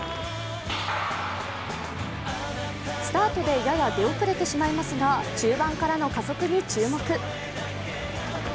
スタートでやや出遅れてしまいますが中盤からの加速に注目。